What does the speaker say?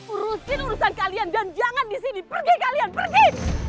urusin urusan kalian dan jangan di sini pergi kalian pergi